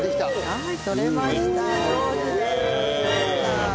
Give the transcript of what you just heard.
はい。